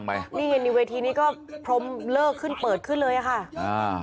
นี่ไงเนี่ยเวทีนี้ก็พรมเลอะขึ้นเปิดขึ้นเลยอ่ะค่ะ